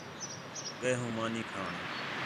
ڳئے ہوں مانی کھاݨ